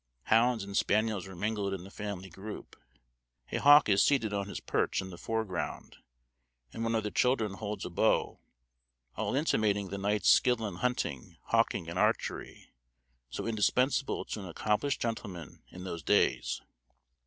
Hounds and spaniels are mingled in the family group; a hawk is seated on his perch in the foreground, and one of the children holds a bow, all intimating the knight's skill in hunting, hawking, and archery, so indispensable to an accomplished gentleman in those days.